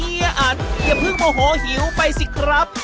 อันอย่าเพิ่งโมโหหิวไปสิครับ